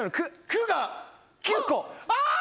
くが９個。